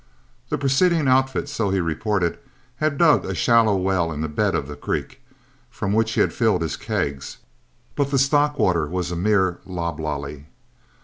The preceding outfit, so he reported, had dug a shallow well in the bed of the creek, from which he had filled his kegs, but the stock water was a mere loblolly.